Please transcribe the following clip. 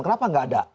kenapa enggak ada